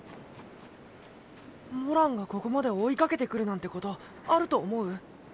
モランがここまで追いかけてくるなんてことあると思う？